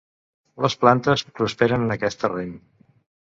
Les plantes prosperen en aquest terreny.